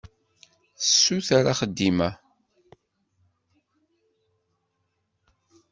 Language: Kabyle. Tessuter axeddim-a.